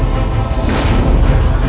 mas rasha tunggu